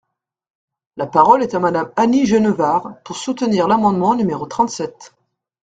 La parole est à Madame Annie Genevard, pour soutenir l’amendement numéro trente-sept.